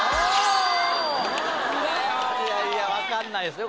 いやいや分かんないですよ